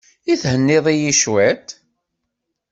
I thenniḍ-iyi cwiṭ?